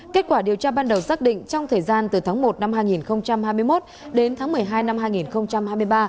kết quả điều tra ban đầu xác định trong thời gian từ tháng một năm hai nghìn hai mươi một đến tháng một mươi hai năm hai nghìn hai mươi ba